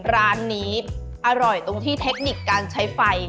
ร้านนี้อร่อยตรงที่เทคนิคการใช้ไฟ